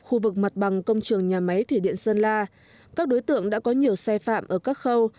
khu vực mặt bằng công trường nhà máy thủy điện sơn la các đối tượng đã có nhiều xe phạm ở các khâu